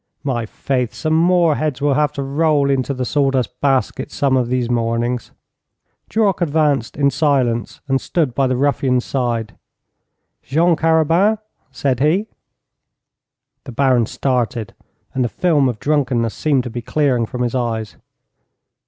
My faith, some more heads will have to roll into the sawdust basket some of these mornings.' Duroc advanced in silence, and stood by the ruffian's side. 'Jean Carabin,' said he. The Baron started, and the film of drunkenness seemed to be clearing from his eyes.